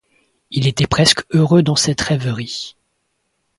Il était presque heureux dans cette rêverie.